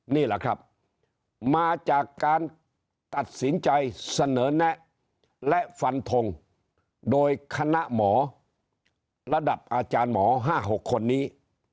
นี่แหละครับมาจากการตัดสินใจเสนอแนะและฟันทงโดยคณะหมอระดับอาจารย์หมอ๕๖คนนี้